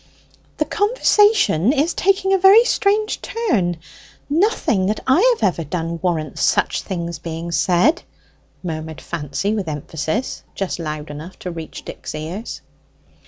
"The conversation is taking a very strange turn: nothing that I have ever done warrants such things being said!" murmured Fancy with emphasis, just loud enough to reach Dick's ears.